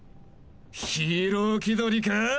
ヒーロー気取りかぁ！？